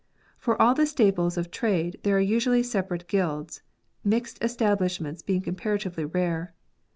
For all the staples of trade there are usually separate guilds, mixed estab lishments being comparatively rare.